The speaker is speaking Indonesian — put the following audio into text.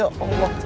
ya allah jak